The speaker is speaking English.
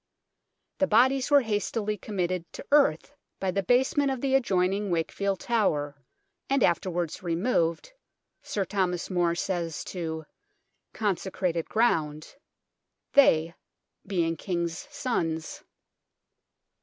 The bodies were hastily committed to earth by the basement of the adjoining Wakefield Tower, and afterwards removed, Sir Thomas More says to "consecrated ground," they being King's sons.